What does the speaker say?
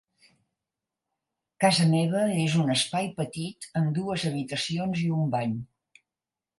Casa meva és un espai petit amb dues habitacions i un bany.